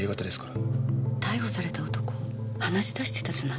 逮捕された男鼻血出してたじゃない。